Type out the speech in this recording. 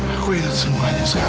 aku ingat semuanya sekarang